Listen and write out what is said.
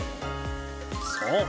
そう。